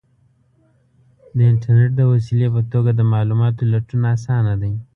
د انټرنیټ د وسیلې په توګه د معلوماتو لټون آسانه دی.